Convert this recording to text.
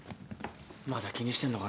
まだ気にしてんのかな。